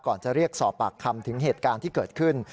จะเรียกสอบปากคำถึงเหตุการณ์ที่เกิดขึ้น